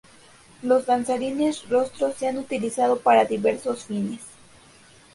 Los danzarines rostro se han utilizado para diversos fines.